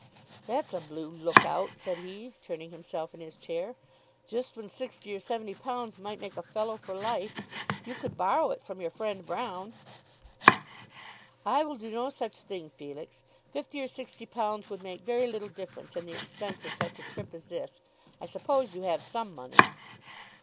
"That's a blue look out," said he, turning himself in his chair, "just when £60 or £70 might make a fellow for life! You could borrow it from your friend Broune." "I will do no such thing, Felix. £50 or £60 would make very little difference in the expense of such a trip as this. I suppose you have some money?"